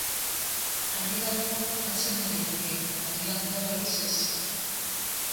Ardi galdua atzeman daiteke, aldi galdua berriz ez.